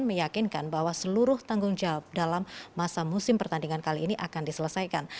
meyakinkan bahwa seluruh tanggung jawab dalam masa musim pertandingan kali ini akan diselesaikan